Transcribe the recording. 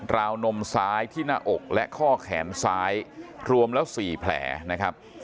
วนมซ้ายที่หน้าอกและข้อแขนซ้ายรวมแล้ว๔แผลนะครับ